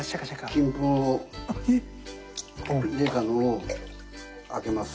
金粉を入れたのをあけます。